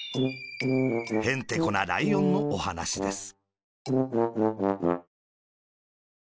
へんてこなライオンのおはなしです。